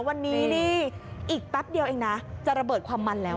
วันนี้นี่อีกแป๊บเดียวเองนะจะระเบิดความมันแล้ว